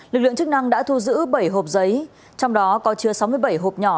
lực lượng chức năng đã thu giữ bảy hộp giấy trong đó có chứa sáu mươi bảy hộp nhỏ